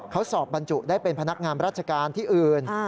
เขาสอบบรรจุได้เป็นพนักงานราชการที่อื่น